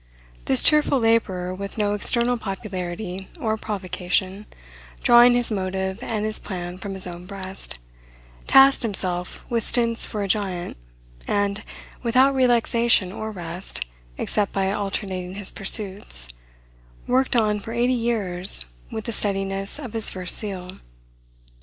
This cheerful laborer, with no external popularity or provocation, drawing his motive and his plan from his own breast, tasked himself with stints for a giant, and, without relaxation or rest, except by alternating his pursuits, worked on for eighty years with the steadiness of his first zeal.